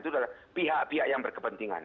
itu adalah pihak pihak yang berkepentingan